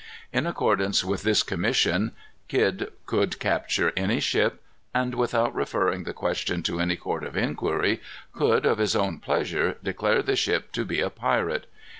In accordance with this commission, Kidd could capture any ship, and, without referring the question to any court of inquiry, could, of his own pleasure, declare the ship to be a pirate.